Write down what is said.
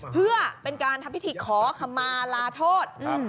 เพื่อเป็นการทำพิธีขอขมาลาโทษ